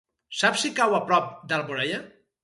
Saps si cau a prop d'Alboraia?